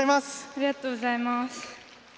ありがとうございます。